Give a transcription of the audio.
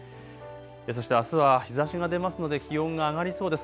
そしてあすは日ざしが出ますので気温が上がりそうです。